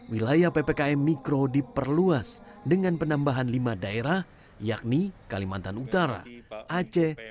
wilayah ppkm mikro diperluas dengan penambahan lima daerah yakni kalimantan utara aceh